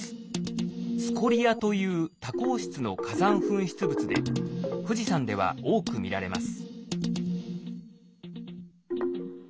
スコリアという多孔質の火山噴出物で富士山では多く見られます。